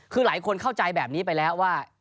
คือหลายคนเข้าใจแบบนี้ไปแล้วว่า